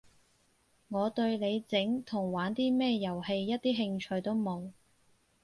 我對你整同玩啲咩遊戲一啲興趣都冇